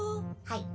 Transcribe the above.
はい。